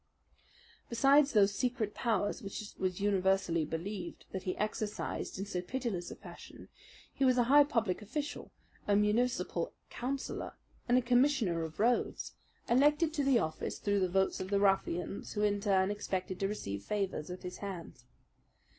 Besides those secret powers which it was universally believed that he exercised in so pitiless a fashion, he was a high public official, a municipal councillor, and a commissioner of roads, elected to the office through the votes of the ruffians who in turn expected to receive favours at his hands.